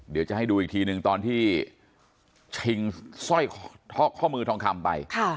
เดี๋ยวจะให้ดูอีกทีหนึ่งตอนที่ชิงสร้อยข้อมือทองคำไป